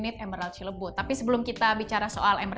teman causasi juga tinggi banget maem